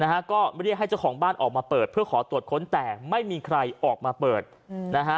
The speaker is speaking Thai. นะฮะก็เรียกให้เจ้าของบ้านออกมาเปิดเพื่อขอตรวจค้นแต่ไม่มีใครออกมาเปิดอืมนะฮะ